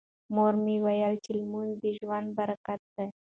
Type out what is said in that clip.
مور مې وویل چې لمونځ د ژوند برکت دی.